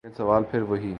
لیکن سوال پھر وہی۔